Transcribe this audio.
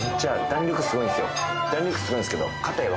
弾力すごいんですけど硬い